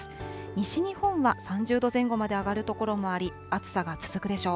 西日本は３０度前後まで上がる所もあり、暑さが続くでしょう。